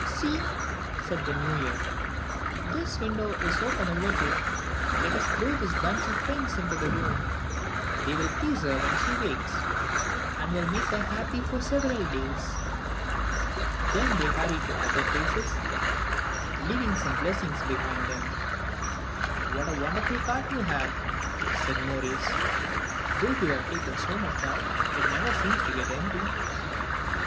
"See," said the New Year, "this window is open a little; let us throw this bunch of pinks into the room. They will please her when she wakes, and will make her happy for several days." Then they hurried to other places, leaving some blessing behind them. "What a wonderful cart you have," said Maurice; "though you have taken so much out, it never seems to get empty."